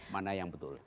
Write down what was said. mana yang betul